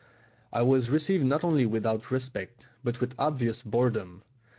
I was received not only without respect but with obvious boredom.